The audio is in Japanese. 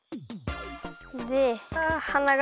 であはなが！